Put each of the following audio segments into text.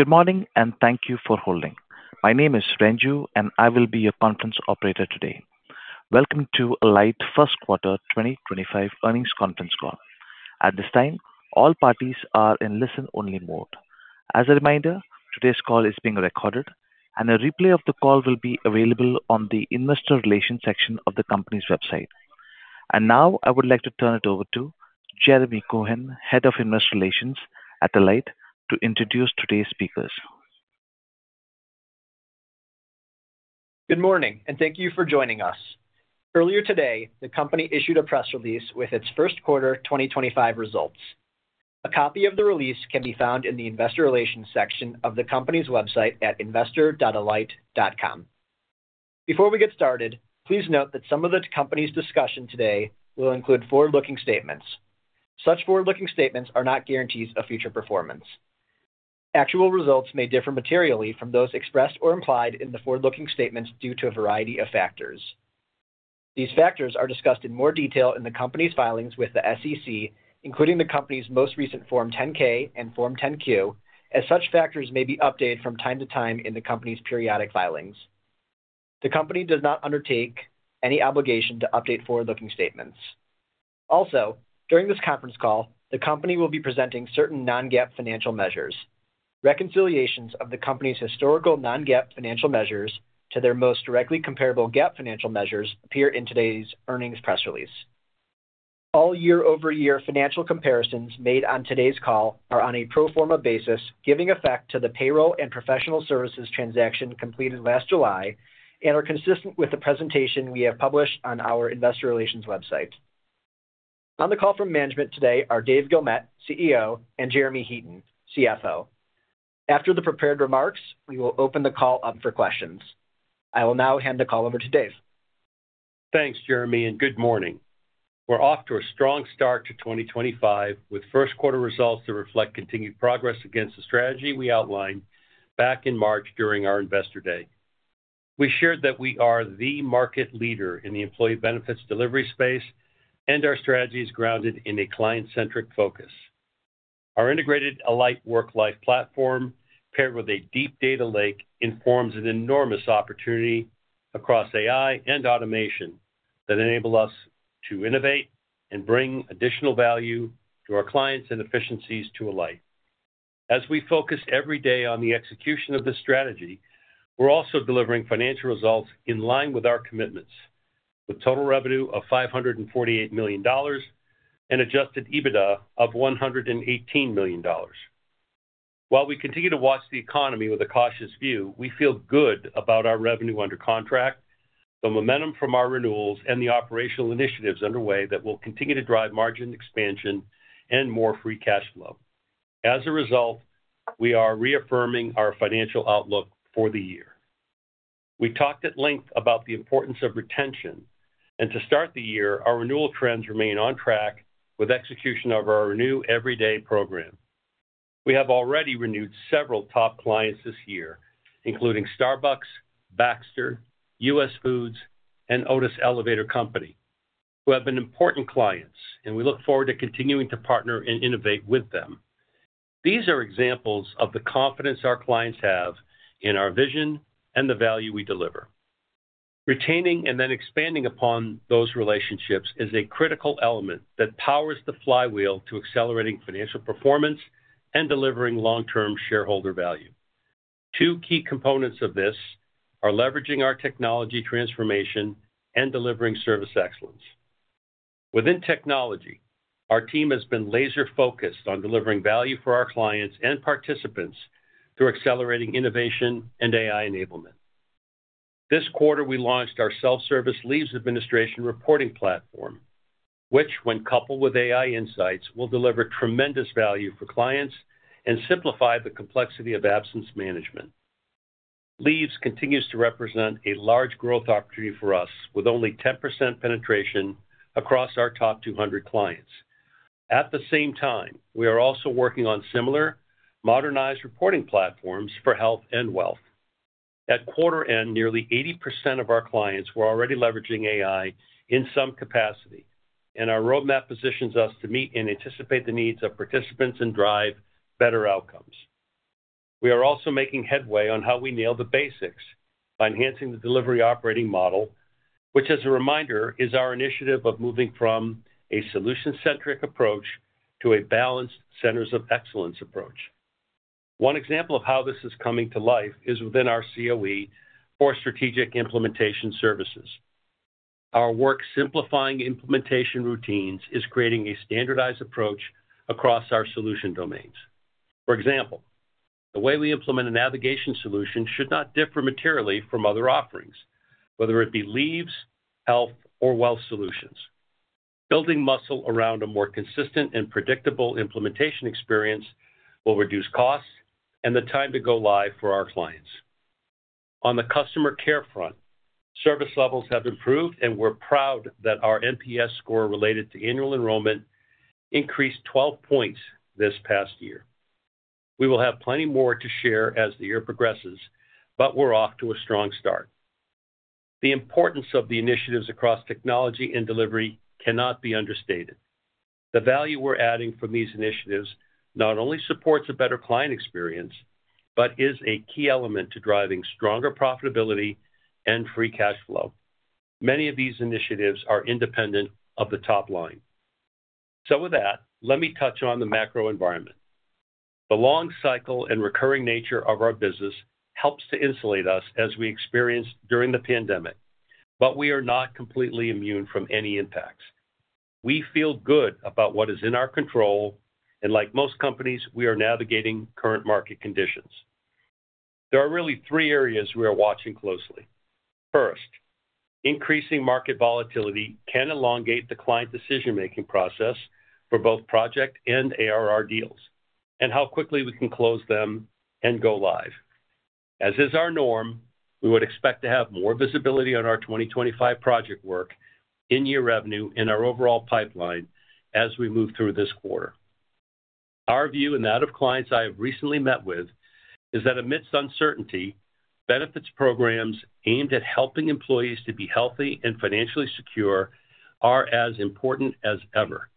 Good morning, and thank you for holding. My name is Renju, and I will be your conference operator today. Welcome to Alight First Quarter 2025 earnings conference call. At this time, all parties are in listen-only mode. As a reminder, today's call is being recorded, and a replay of the call will be available on the investor relations section of the company's website. I would like to turn it over to Jeremy Cohen, Head of Investor Relations at Alight, to introduce today's speakers. Good morning, and thank you for joining us. Earlier today, the company issued a press release with its first quarter 2025 results. A copy of the release can be found in the investor relations section of the company's website at investor.alight.com. Before we get started, please note that some of the company's discussion today will include forward-looking statements. Such forward-looking statements are not guarantees of future performance. Actual results may differ materially from those expressed or implied in the forward-looking statements due to a variety of factors. These factors are discussed in more detail in the company's filings with the SEC, including the company's most recent Form 10-K and Form 10-Q, as such factors may be updated from time to time in the company's periodic filings. The company does not undertake any obligation to update forward-looking statements. Also, during this conference call, the company will be presenting certain non-GAAP financial measures. Reconciliations of the company's historical non-GAAP financial measures to their most directly comparable GAAP financial measures appear in today's earnings press release. All year-over-year financial comparisons made on today's call are on a pro forma basis, giving effect to the payroll and professional services transaction completed last July and are consistent with the presentation we have published on our investor relations website. On the call from management today are Dave Guilmette, CEO, and Jeremy Heaton, CFO. After the prepared remarks, we will open the call up for questions. I will now hand the call over to Dave. Thanks, Jeremy, and good morning. We're off to a strong start to 2025 with first-quarter results that reflect continued progress against the strategy we outlined back in March during our investor day. We shared that we are the market leader in the employee benefits delivery space, and our strategy is grounded in a client-centric focus. Our integrated Alight Work-Life Platform, paired with a deep data lake, informs an enormous opportunity across AI and automation that enables us to innovate and bring additional value to our clients and efficiencies to Alight. As we focus every day on the execution of this strategy, we're also delivering financial results in line with our commitments, with total revenue of $548 million and adjusted EBITDA of $118 million. While we continue to watch the economy with a cautious view, we feel good about our revenue under contract, the momentum from our renewals, and the operational initiatives underway that will continue to drive margin expansion and more free cash flow. As a result, we are reaffirming our financial outlook for the year. We talked at length about the importance of retention, and to start the year, our renewal trends remain on track with execution of our renew-every-day program. We have already renewed several top clients this year, including Starbucks, Baxter, US Foods, and Otis Elevator Company, who have been important clients, and we look forward to continuing to partner and innovate with them. These are examples of the confidence our clients have in our vision and the value we deliver. Retaining and then expanding upon those relationships is a critical element that powers the flywheel to accelerating financial performance and delivering long-term shareholder value. Two key components of this are leveraging our technology transformation and delivering service excellence. Within technology, our team has been laser-focused on delivering value for our clients and participants through accelerating innovation and AI enablement. This quarter, we launched our self-service leaves administration reporting platform, which, when coupled with AI insights, will deliver tremendous value for clients and simplify the complexity of absence management. Leaves continues to represent a large growth opportunity for us, with only 10% penetration across our top 200 clients. At the same time, we are also working on similar modernized reporting platforms for health and wealth. At quarter end, nearly 80% of our clients were already leveraging AI in some capacity, and our roadmap positions us to meet and anticipate the needs of participants and drive better outcomes. We are also making headway on how we nail the basics by enhancing the delivery operating model, which, as a reminder, is our initiative of moving from a solution-centric approach to a balanced centers of excellence approach. One example of how this is coming to life is within our COE for strategic implementation services. Our work simplifying implementation routines is creating a standardized approach across our solution domains. For example, the way we implement a navigation solution should not differ materially from other offerings, whether it be leaves, health, or wealth solutions. Building muscle around a more consistent and predictable implementation experience will reduce costs and the time to go live for our clients. On the customer care front, service levels have improved, and we're proud that our NPS score related to annual enrollment increased 12 points this past year. We will have plenty more to share as the year progresses, but we're off to a strong start. The importance of the initiatives across technology and delivery cannot be understated. The value we're adding from these initiatives not only supports a better client experience, but is a key element to driving stronger profitability and free cash flow. Many of these initiatives are independent of the top line. With that, let me touch on the macro environment. The long cycle and recurring nature of our business helps to insulate us as we experienced during the pandemic, but we are not completely immune from any impacts. We feel good about what is in our control, and like most companies, we are navigating current market conditions. There are really three areas we are watching closely. First, increasing market volatility can elongate the client decision-making process for both project and ARR deals and how quickly we can close them and go live. As is our norm, we would expect to have more visibility on our 2025 project work in year revenue in our overall pipeline as we move through this quarter. Our view, and that of clients I have recently met with, is that amidst uncertainty, benefits programs aimed at helping employees to be healthy and financially secure are as important as ever.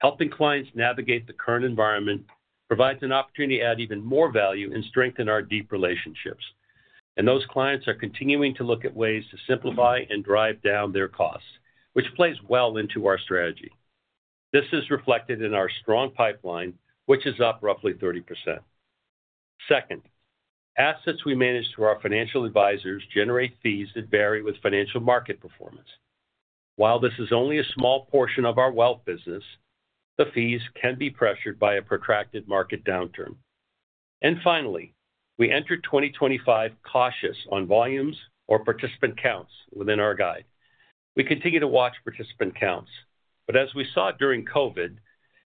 Helping clients navigate the current environment provides an opportunity to add even more value and strengthen our deep relationships. Those clients are continuing to look at ways to simplify and drive down their costs, which plays well into our strategy. This is reflected in our strong pipeline, which is up roughly 30%. Second, assets we manage through our financial advisors generate fees that vary with financial market performance. While this is only a small portion of our wealth business, the fees can be pressured by a protracted market downturn. Finally, we entered 2025 cautious on volumes or participant counts within our guide. We continue to watch participant counts, but as we saw during COVID,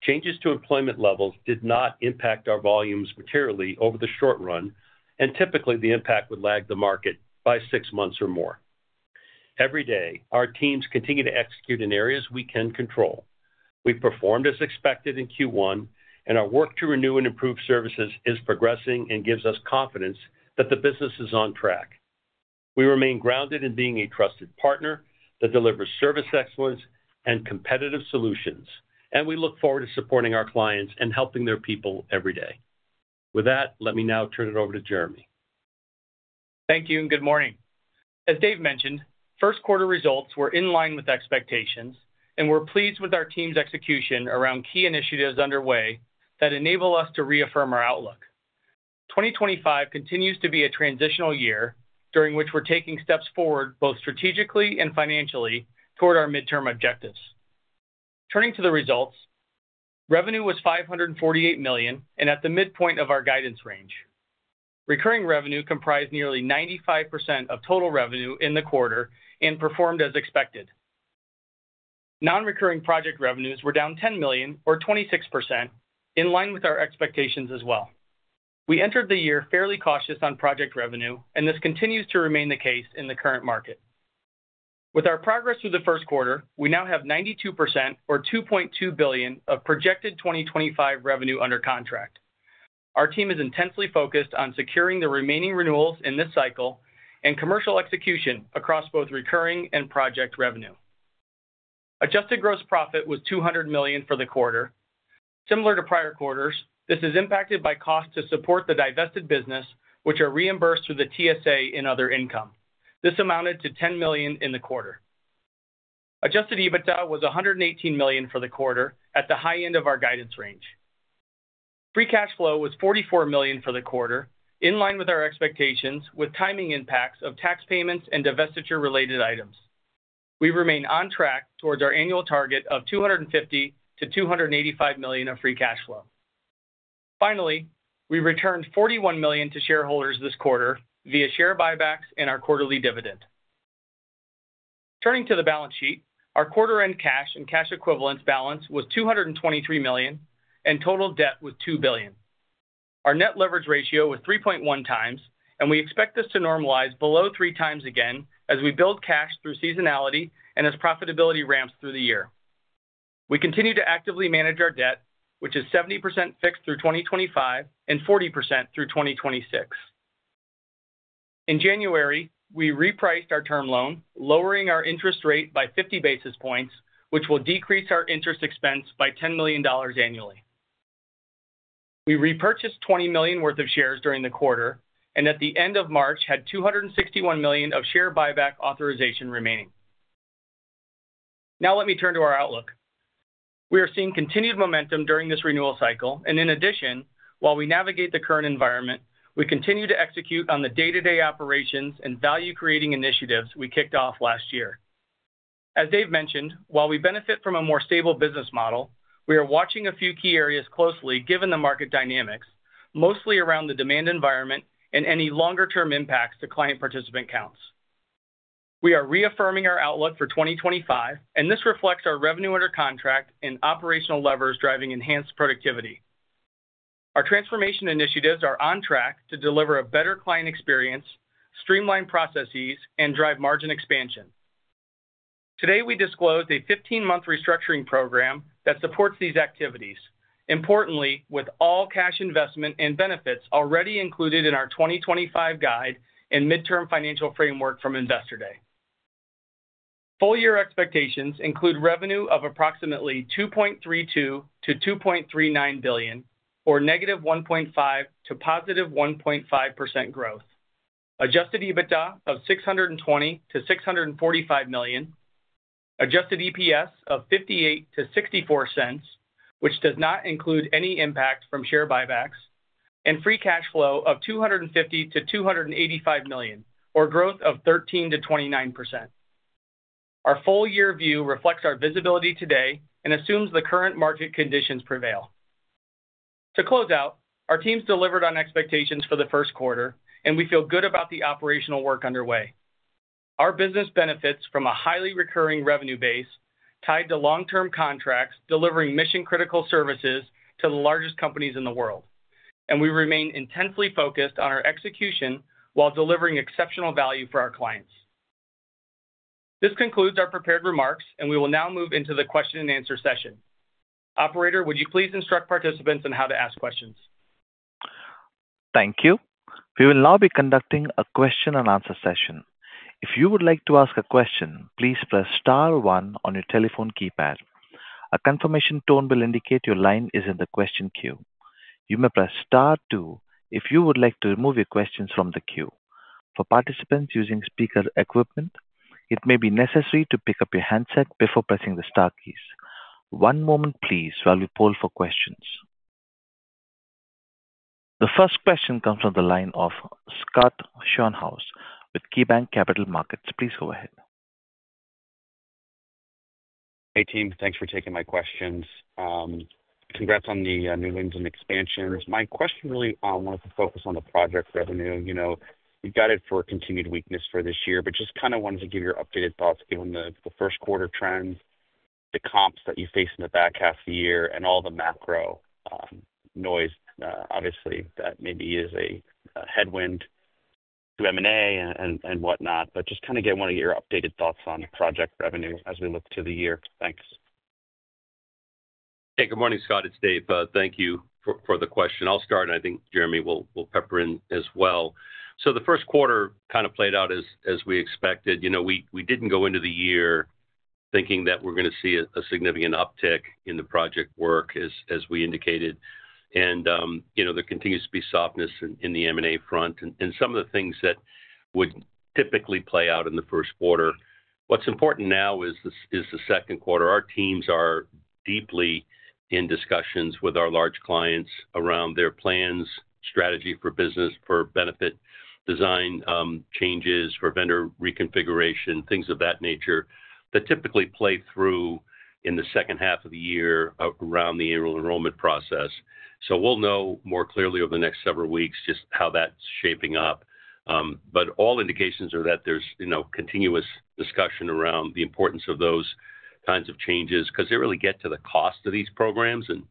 changes to employment levels did not impact our volumes materially over the short run, and typically the impact would lag the market by six months or more. Every day, our teams continue to execute in areas we can control. We performed as expected in Q1, and our work to renew and improve services is progressing and gives us confidence that the business is on track. We remain grounded in being a trusted partner that delivers service excellence and competitive solutions, and we look forward to supporting our clients and helping their people every day. With that, let me now turn it over to Jeremy. Thank you, and good morning. As Dave mentioned, first quarter results were in line with expectations, and we're pleased with our team's execution around key initiatives underway that enable us to reaffirm our outlook. 2025 continues to be a transitional year during which we're taking steps forward both strategically and financially toward our midterm objectives. Turning to the results, revenue was $548 million and at the midpoint of our guidance range. Recurring revenue comprised nearly 95% of total revenue in the quarter and performed as expected. Non-recurring project revenues were down $10 million, or 26%, in line with our expectations as well. We entered the year fairly cautious on project revenue, and this continues to remain the case in the current market. With our progress through the first quarter, we now have 92%, or $2.2 billion, of projected 2025 revenue under contract. Our team is intensely focused on securing the remaining renewals in this cycle and commercial execution across both recurring and project revenue. Adjusted gross profit was $200 million for the quarter. Similar to prior quarters, this is impacted by costs to support the divested business, which are reimbursed through the TSA and other income. This amounted to $10 million in the quarter. Adjusted EBITDA was $118 million for the quarter, at the high end of our guidance range. Free cash flow was $44 million for the quarter, in line with our expectations, with timing impacts of tax payments and divestiture-related items. We remain on track towards our annual target of $250-$285 million of free cash flow. Finally, we returned $41 million to shareholders this quarter via share buybacks and our quarterly dividend. Turning to the balance sheet, our quarter-end cash and cash equivalents balance was $223 million, and total debt was $2 billion. Our net leverage ratio was 3.1 times, and we expect this to normalize below three times again as we build cash through seasonality and as profitability ramps through the year. We continue to actively manage our debt, which is 70% fixed through 2025 and 40% through 2026. In January, we repriced our term loan, lowering our interest rate by 50 basis points, which will decrease our interest expense by $10 million annually. We repurchased $20 million worth of shares during the quarter, and at the end of March, had $261 million of share buyback authorization remaining. Now let me turn to our outlook. We are seeing continued momentum during this renewal cycle, and in addition, while we navigate the current environment, we continue to execute on the day-to-day operations and value-creating initiatives we kicked off last year. As Dave mentioned, while we benefit from a more stable business model, we are watching a few key areas closely given the market dynamics, mostly around the demand environment and any longer-term impacts to client participant counts. We are reaffirming our outlook for 2025, and this reflects our revenue under contract and operational levers driving enhanced productivity. Our transformation initiatives are on track to deliver a better client experience, streamline processes, and drive margin expansion. Today, we disclosed a 15-month restructuring program that supports these activities, importantly with all cash investment and benefits already included in our 2025 guide and midterm financial framework from investor day. Full-year expectations include revenue of approximately $2.32 billion-$2.39 billion, or negative 1.5% to positive 1.5% growth; adjusted EBITDA of $620 million to $645 million; adjusted EPS of $0.58 to $0.64, which does not include any impact from share buybacks; and free cash flow of $250 million to $285 million, or growth of 13% to 29%. Our full-year view reflects our visibility today and assumes the current market conditions prevail. To close out, our teams delivered on expectations for the first quarter, and we feel good about the operational work underway. Our business benefits from a highly recurring revenue base tied to long-term contracts delivering mission-critical services to the largest companies in the world, and we remain intensely focused on our execution while delivering exceptional value for our clients. This concludes our prepared remarks, and we will now move into the question and answer session. Operator, would you please instruct participants on how to ask questions? Thank you. We will now be conducting a question and answer session. If you would like to ask a question, please press star one on your telephone keypad. A confirmation tone will indicate your line is in the question queue. You may press star two if you would like to remove your questions from the queue. For participants using speaker equipment, it may be necessary to pick up your handset before pressing the star keys. One moment, please, while we poll for questions. The first question comes from the line of Scott Schoenhaus with KeyBank Capital Markets. Please go ahead. Hey team, thanks for taking my questions. Congrats on the new lens and expansions. My question really wanted to focus on the project revenue. You got it for continued weakness for this year, but just kind of wanted to give your updated thoughts given the first-quarter trends, the comps that you face in the back half of the year, and all the macro noise, obviously, that maybe is a headwind to M&A and whatnot. Just kind of want to get your updated thoughts on project revenue as we look to the year. Thanks. Hey, good morning, Scott. It's Dave. Thank you for the question. I'll start, and I think Jeremy will pepper in as well. The first quarter kind of played out as we expected. We didn't go into the year thinking that we're going to see a significant uptick in the project work, as we indicated. There continues to be softness in the M&A front and some of the things that would typically play out in the first quarter. What's important now is the second quarter. Our teams are deeply in discussions with our large clients around their plans, strategy for business, for benefit design changes, for vendor reconfiguration, things of that nature that typically play through in the second half of the year around the annual enrollment process. We will know more clearly over the next several weeks just how that's shaping up. All indications are that there's continuous discussion around the importance of those kinds of changes because they really get to the cost of these programs, and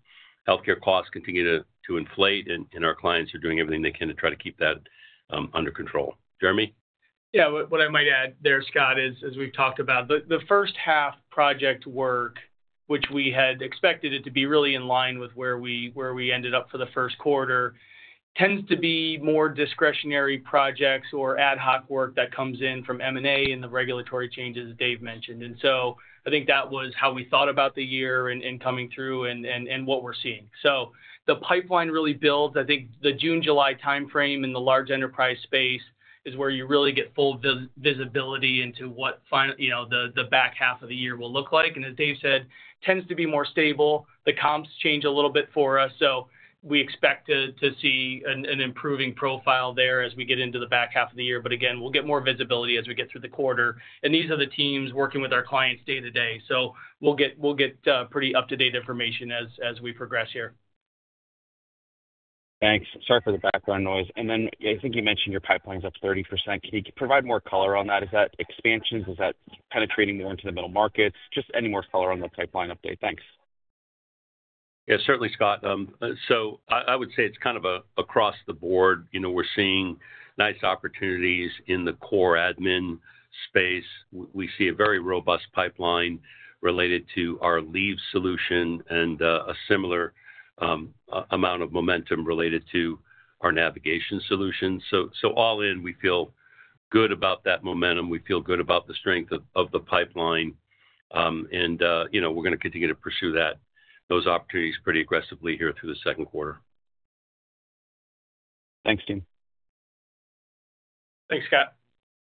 healthcare costs continue to inflate, and our clients are doing everything they can to try to keep that under control. Jeremy? Yeah, what I might add there, Scott, is as we've talked about, the first-half project work, which we had expected it to be really in line with where we ended up for the first quarter, tends to be more discretionary projects or ad hoc work that comes in from M&A and the regulatory changes Dave mentioned. I think that was how we thought about the year and coming through and what we're seeing. The pipeline really builds. I think the June-July timeframe in the large enterprise space is where you really get full visibility into what the back half of the year will look like. As Dave said, it tends to be more stable. The comps change a little bit for us, so we expect to see an improving profile there as we get into the back half of the year. We will get more visibility as we get through the quarter. These are the teams working with our clients day to day, so we will get pretty up-to-date information as we progress here. Thanks. Sorry for the background noise. I think you mentioned your pipeline's up 30%. Can you provide more color on that? Is that expansions? Is that penetrating more into the middle markets? Just any more color on the pipeline update. Thanks. Yeah, certainly, Scott. I would say it's kind of across the board. We're seeing nice opportunities in the core admin space. We see a very robust pipeline related to our leave solution and a similar amount of momentum related to our navigation solution. All in, we feel good about that momentum. We feel good about the strength of the pipeline, and we're going to continue to pursue those opportunities pretty aggressively here through the second quarter. Thanks, team. Thanks, Scott.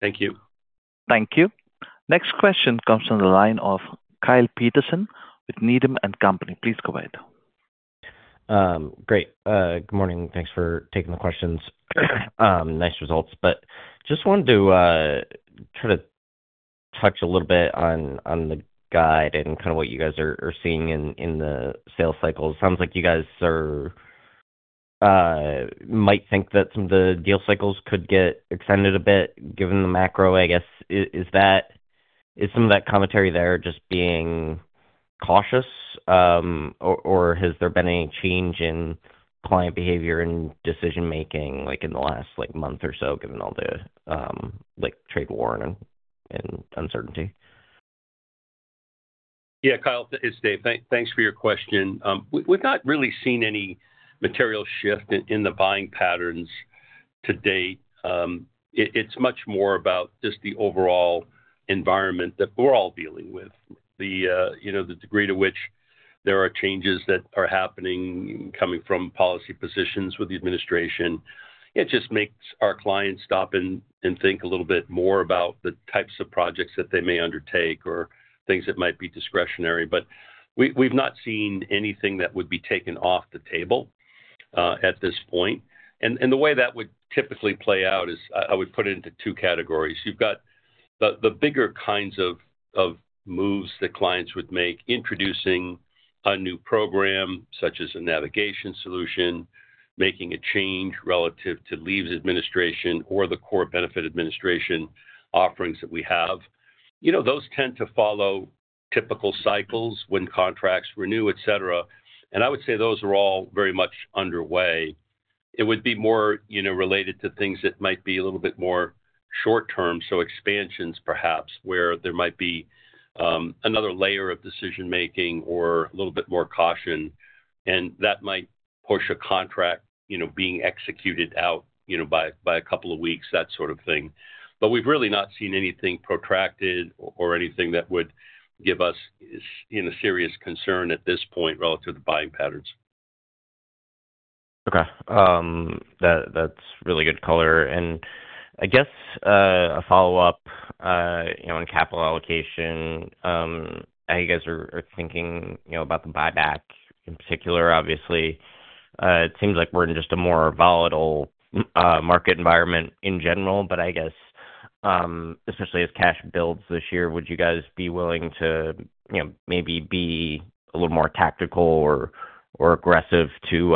Thank you. Thank you. Next question comes from the line of Kyle Peterson with Needham & Company. Please go ahead. Great. Good morning. Thanks for taking the questions. Nice results, but just wanted to try to touch a little bit on the guide and kind of what you guys are seeing in the sales cycle. It sounds like you guys might think that some of the deal cycles could get extended a bit given the macro, I guess. Is some of that commentary there just being cautious, or has there been any change in client behavior and decision-making in the last month or so given all the trade war and uncertainty? Yeah, Kyle, it's Dave. Thanks for your question. We've not really seen any material shift in the buying patterns to date. It's much more about just the overall environment that we're all dealing with, the degree to which there are changes that are happening coming from policy positions with the administration. It just makes our clients stop and think a little bit more about the types of projects that they may undertake or things that might be discretionary. We've not seen anything that would be taken off the table at this point. The way that would typically play out is I would put it into two categories. You've got the bigger kinds of moves that clients would make, introducing a new program such as a navigation solution, making a change relative to leave administration or the core benefit administration offerings that we have. Those tend to follow typical cycles when contracts renew, etc. I would say those are all very much underway. It would be more related to things that might be a little bit more short-term, so expansions perhaps, where there might be another layer of decision-making or a little bit more caution, and that might push a contract being executed out by a couple of weeks, that sort of thing. We have really not seen anything protracted or anything that would give us serious concern at this point relative to buying patterns. Okay. That's really good color. I guess a follow-up on capital allocation. I think you guys are thinking about the buyback in particular, obviously. It seems like we're in just a more volatile market environment in general, but I guess, especially as cash builds this year, would you guys be willing to maybe be a little more tactical or aggressive to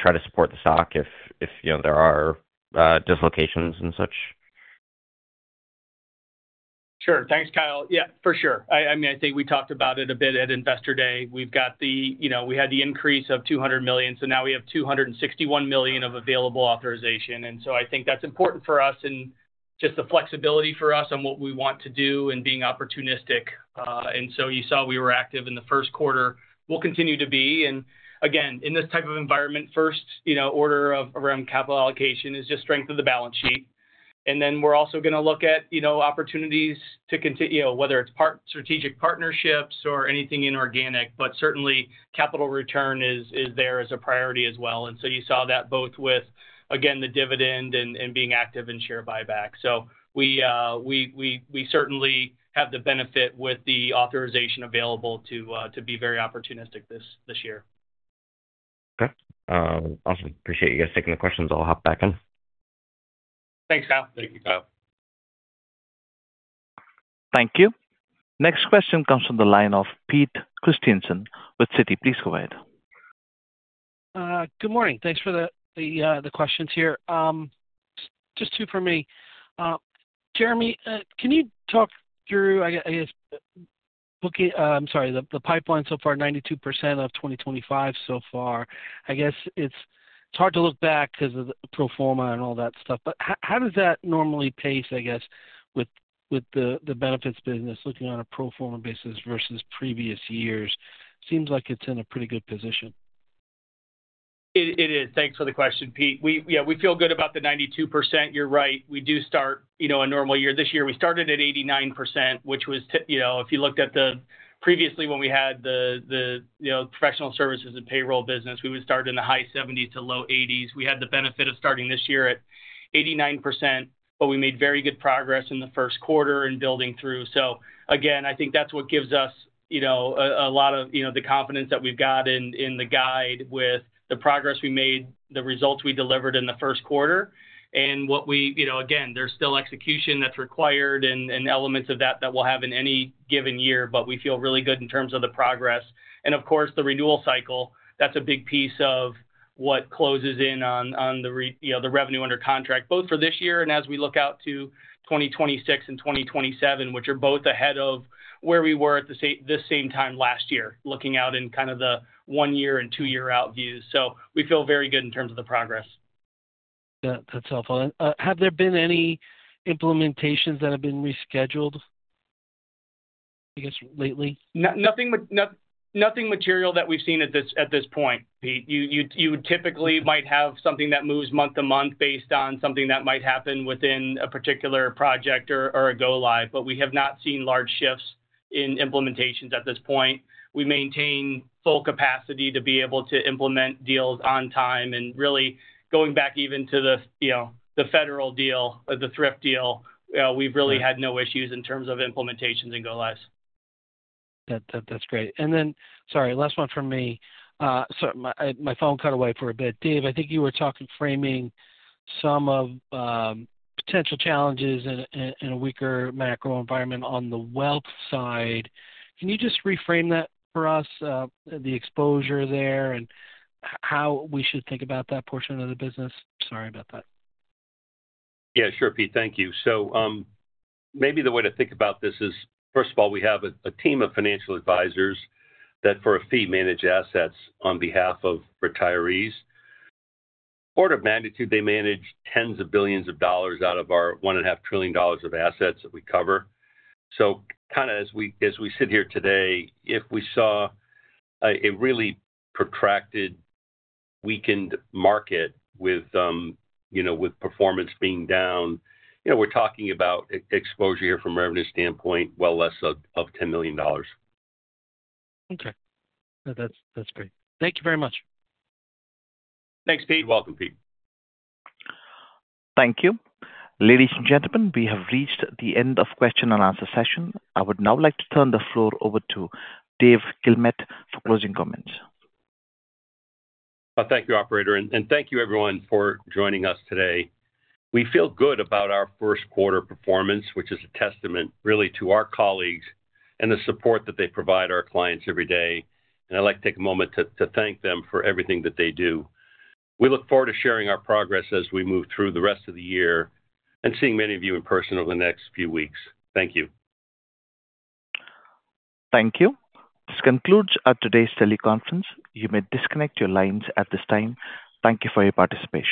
try to support the stock if there are dislocations and such? Sure. Thanks, Kyle. Yeah, for sure. I mean, I think we talked about it a bit at investor day. We had the increase of $200 million, so now we have $261 million of available authorization. I think that's important for us and just the flexibility for us on what we want to do and being opportunistic. You saw we were active in the first quarter. We'll continue to be. In this type of environment, first order around capital allocation is just strength of the balance sheet. We're also going to look at opportunities to continue, whether it's strategic partnerships or anything inorganic, but certainly capital return is there as a priority as well. You saw that both with, again, the dividend and being active in share buyback. We certainly have the benefit with the authorization available to be very opportunistic this year. Okay. Awesome. Appreciate you guys taking the questions. I'll hop back in. Thanks, Kyle. Thank you, Kyle. Thank you. Next question comes from the line of Peter Christiansen with Citi. Please go ahead. Good morning. Thanks for the questions here. Just two for me. Jeremy, can you talk through, I guess, looking—I am sorry, the pipeline so far, 92% of 2025 so far. I guess it is hard to look back because of the pro forma and all that stuff, but how does that normally pace, I guess, with the benefits business looking on a pro forma basis versus previous years? Seems like it is in a pretty good position. It is. Thanks for the question, Pete. Yeah, we feel good about the 92%. You're right. We do start a normal year. This year, we started at 89%, which was, if you looked at previously, when we had the professional services and payroll business, we would start in the high 70s to low 80s. We had the benefit of starting this year at 89%, but we made very good progress in the first quarter and building through. I think that's what gives us a lot of the confidence that we've got in the guide with the progress we made, the results we delivered in the first quarter. There's still execution that's required and elements of that that we'll have in any given year, but we feel really good in terms of the progress. The renewal cycle—that's a big piece of what closes in on the revenue under contract, both for this year and as we look out to 2026 and 2027, which are both ahead of where we were at this same time last year, looking out in kind of the one-year and two-year out views. We feel very good in terms of the progress. That's helpful. Have there been any implementations that have been rescheduled, I guess, lately? Nothing material that we've seen at this point, Pete. You typically might have something that moves month to month based on something that might happen within a particular project or a go-live, but we have not seen large shifts in implementations at this point. We maintain full capacity to be able to implement deals on time. Really, going back even to the federal deal or the thrift deal, we've really had no issues in terms of implementations and go-lives. That's great. Sorry, last one from me. My phone cut away for a bit. Dave, I think you were talking, framing some of potential challenges in a weaker macro environment on the wealth side. Can you just reframe that for us, the exposure there, and how we should think about that portion of the business? Sorry about that. Yeah, sure, Pete. Thank you. Maybe the way to think about this is, first of all, we have a team of financial advisors that, for a fee, manage assets on behalf of retirees. Order of magnitude, they manage tens of billions of dollars out of our $1.5 trillion of assets that we cover. Kind of as we sit here today, if we saw a really protracted, weakened market with performance being down, we're talking about exposure here from a revenue standpoint, well less than $10 million. Okay. That's great. Thank you very much. Thanks, Pete. You're welcome, Pete. Thank you. Ladies and gentlemen, we have reached the end of the question and answer session. I would now like to turn the floor over to Dave Guilmette for closing comments. Thank you, operator. Thank you, everyone, for joining us today. We feel good about our first quarter performance, which is a testament really to our colleagues and the support that they provide our clients every day. I would like to take a moment to thank them for everything that they do. We look forward to sharing our progress as we move through the rest of the year and seeing many of you in person over the next few weeks. Thank you. Thank you. This concludes today's teleconference. You may disconnect your lines at this time. Thank you for your participation.